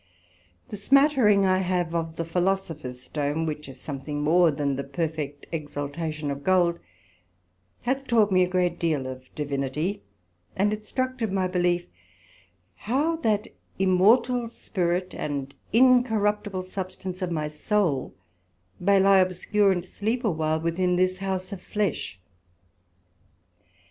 The smattering I have of the Philosophers Stone (which is something more then the perfect exaltation of Gold) hath taught me a great deal of Divinity, and instructed my belief, how that immortal spirit and incorruptible substance of my Soul may lye obscure, and sleep a while within this house of flesh.